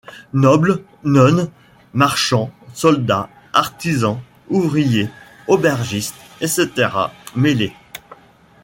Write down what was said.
Nobles, nonnes, marchands, soldats, artisans, ouvriers, aubergistes, etc. mêlés.